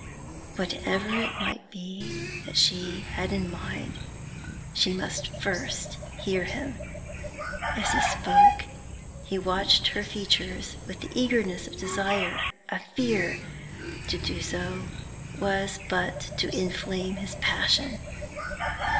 Whatever it might be that she had in mind, she must first hear him. As he spoke, he watched her features with the eagerness of desire, of fear; to do so was but to inflame his passion.